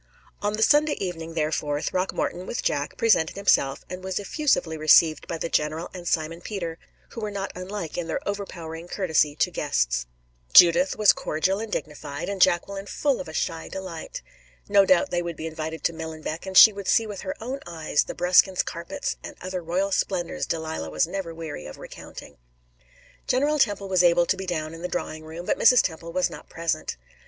On the Sunday evening, therefore, Throckmorton, with Jack, presented himself, and was effusively received by the general and Simon Peter, who were not unlike in their overpowering courtesy to guests. Judith was cordial and dignified, and Jacqueline full of a shy delight. No doubt they would be invited to Millenbeck, and she would see with her own eyes the Bruskins carpets and other royal splendors Delilah was never weary of recounting. General Temple was able to be down in the drawing room, but Mrs. Temple was not present.